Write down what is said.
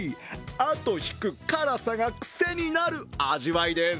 あと引く辛さがくせになる味わいです。